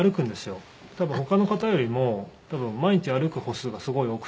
多分他の方よりも毎日歩く歩数がすごい多くて。